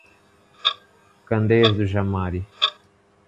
Candeias do Jamari